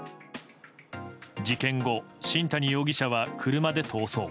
事件後、新谷容疑者は車で逃走。